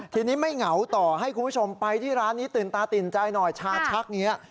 ทีนี้ไม่เหงาต่อให้คุณผู้ชมไปที่ร้านนี้ตื่นตาตื่นใจหน่อยชาชักอย่างนี้